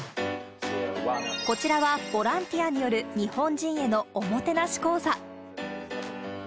こちらは、ボランティアによる日本人へのおもてなし講座。